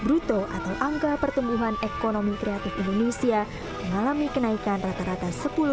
bruto atau angka pertumbuhan ekonomi kreatif indonesia mengalami kenaikan rata rata sepuluh empat belas